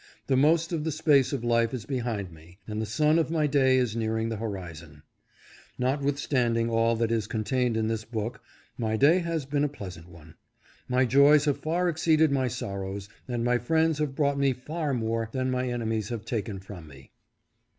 The most of the space of life is behind me and the sun of my day is nearing the horizon. Notwith standing all that is contained in this book my day has been a pleasant one. My joys have far exceeded my sor rows and my friends have brought me far more than my enemies have taken from me.